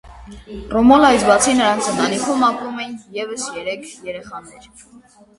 Ռոմոլայից բացի, նրանց ընտանիքում ապրում էին ևս երեք երեխաներ։